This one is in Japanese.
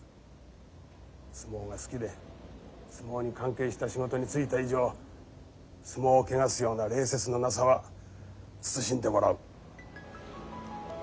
相撲が好きで相撲に関係した仕事に就いた以上相撲を汚すような礼節のなさは慎んでもらう。